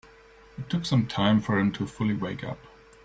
It took some time for him to fully wake up.